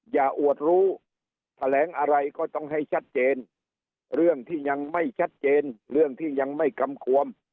อวดรู้แถลงอะไรก็ต้องให้ชัดเจนเรื่องที่ยังไม่ชัดเจนเรื่องที่ยังไม่กำควม